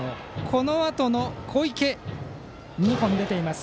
このあとの小池、２本出ています。